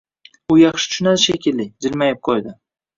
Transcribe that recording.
U yaxshi tushundi shekilli, jilmayib qoʻydi